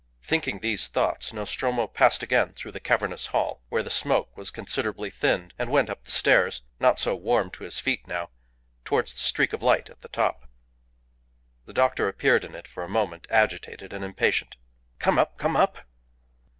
Thinking these thoughts, Nostromo passed again through the cavernous hall, where the smoke was considerably thinned, and went up the stairs, not so warm to his feet now, towards the streak of light at the top. The doctor appeared in it for a moment, agitated and impatient. "Come up! Come up!"